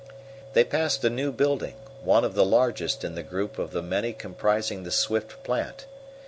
They passed a new building, one of the largest in the group of the many comprising the Swift plant.